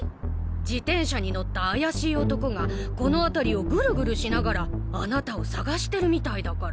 自転車に乗った怪しい男がこの辺りをグルグルしながらあなたを捜してるみたいだから。